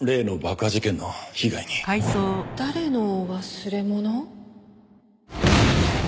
誰の忘れ物？